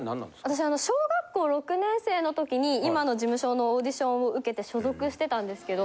私あの小学校６年生の時に今の事務所のオーディションを受けて所属してたんですけど。